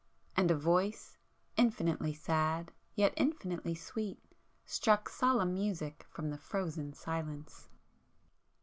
And a Voice infinitely sad, yet infinitely sweet, struck solemn music from the frozen silence.